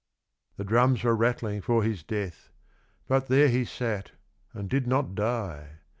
The drums were rattling for his death, but there he sat, and did not die.